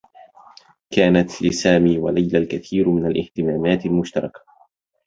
كانت لسامي و ليلى الكثير من الاهتمامات المشتركة.